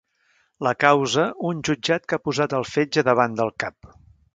La causa, un jutjat que ha posat el fetge davant del cap.